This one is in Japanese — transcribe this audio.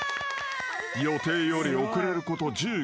［予定より遅れること１５分］